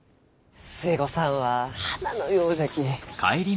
寿恵子さんは花のようじゃき。